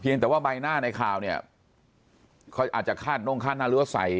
เพียงแต่ว่าใบหน้าในข่าวเนี่ยเขาอาจจะฆาตนกฆาตหน้ารั้วใส